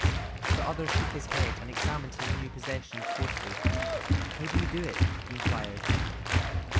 The other shook his head and examined his new possession closely. "How do you do it?" he inquired.